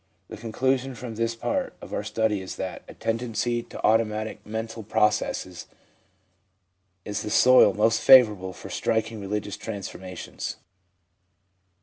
'The conclusion from this part of our study is that a tendency to automatic mental processes is the soil most favourable for striking religious transformations.'